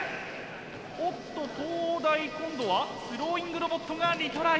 おっと東大今度はスローイングロボットがリトライ。